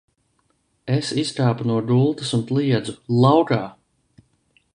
Es izkāpu no gultas un kliedzu – laukā!